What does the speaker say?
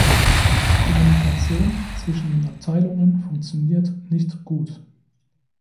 Die Kommunikation zwischen den Abteilungen funktioniert nicht gut.